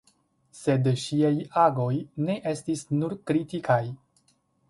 Sed ŝiaj agoj ne estis nur kritikaj.